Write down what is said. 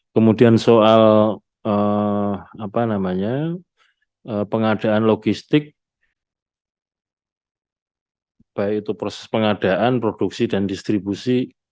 kemudian soal pengadaan logistik baik itu proses pengadaan produksi dan distribusi